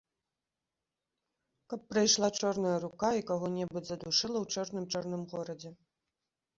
Каб прыйшла чорная рука і каго-небудзь задушыла ў чорным-чорным горадзе.